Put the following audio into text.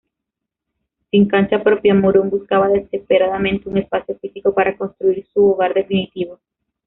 Sin cancha propia, Morón buscaba desesperadamente un espacio físico para construir su hogar definitivo.